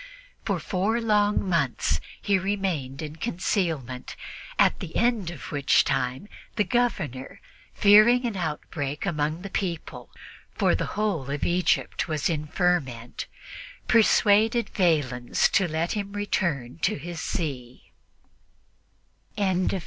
For four long months he remained in concealment: at the end of which time the Governor, fearing an outbreak among the people for the whole of Egypt was in a ferment persuaded Valens to let him return in peace to his see.